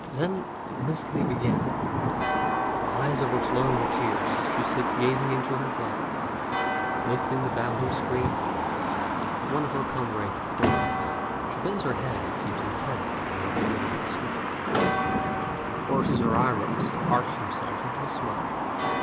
Then Miss Li began "Eyes overflowing with tears, she sits gazing into her glass, Lifting the bamboo screen, one of her comrades approaches; She bends her head and seems intent on her bow like slippers, And forces her eyebrows to arch themselves into a smile.